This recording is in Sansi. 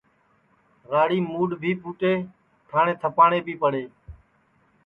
راڑیم مُڈؔ بھی پھُٹے تھاٹؔے تھپاٹؔے بھی پڑے